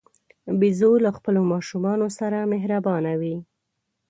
بیزو له خپلو ماشومانو سره مهربانه وي.